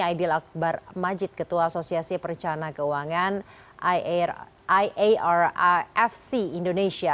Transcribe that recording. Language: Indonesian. aidil akbar majid ketua asosiasi perencana keuangan iarifc indonesia